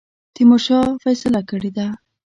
تیمورشاه فیصله کړې ده.